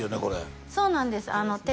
これそうなんです